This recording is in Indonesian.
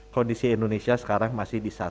kondisi indonesia sekarang masih di satu